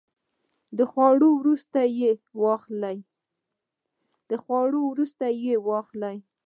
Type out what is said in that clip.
د خوړو وروسته یی واخلئ